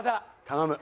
頼む。